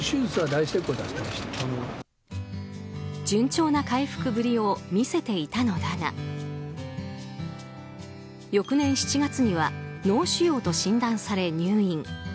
順調な回復ぶりを見せていたのだが翌年７月には脳腫瘍と診断され入院。